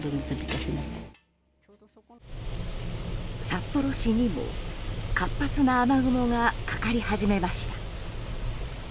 札幌市にも活発な雨雲がかかり始めました。